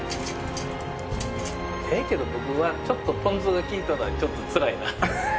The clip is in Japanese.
ええけど僕はポン酢が効いとるのがちょっとつらいな。